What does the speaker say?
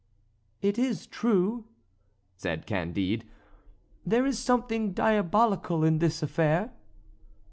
"It is true," said Candide; "there is something diabolical in this affair."